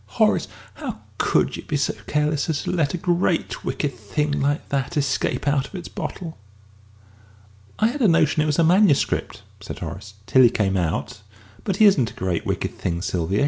"Horace, how could you be so careless as to let a great wicked thing like that escape out of its bottle?" "I had a notion it was a manuscript," said Horace "till he came out. But he isn't a great wicked thing, Sylvia.